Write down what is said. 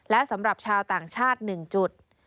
และสำหรับชาวต่างชาติ๑จุด